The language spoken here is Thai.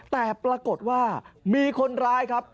แต่ปรากฏว่ามีคนร้ายครับ